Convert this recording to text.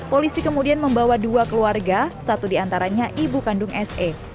polisi kemudian membawa dua keluarga satu diantaranya ibu kandung se